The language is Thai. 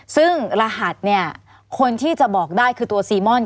ซึ่งรหัสเนี่ยคนที่จะบอกได้คือตัวซีม่อน